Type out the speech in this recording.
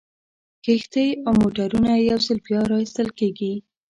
کښتۍ او موټرونه یو ځل بیا را ایستل کیږي